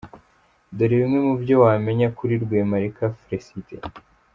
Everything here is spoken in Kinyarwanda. Dore bimwe mu byo wamenya kuri Rwemarika Felicite:.